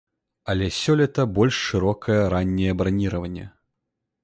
Але сёлета больш шырокае ранняе браніраванне.